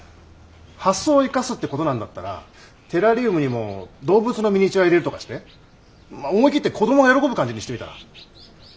発想を生かすってことなんだったらテラリウムにも動物のミニチュア入れるとかして思い切って子どもが喜ぶ感じにしてみたら？